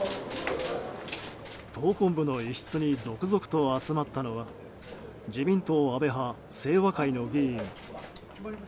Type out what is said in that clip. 党本部の一室に続々と集まったのは自民党安倍派・清和会の議員。